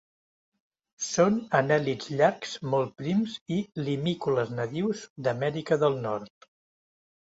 Són anèl·lids llargs, molt prims, i limícoles nadius d'Amèrica del Nord.